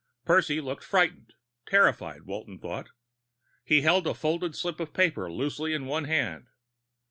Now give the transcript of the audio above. Percy looked frightened terrified, Walton thought. He held a folded slip of paper loosely in one hand.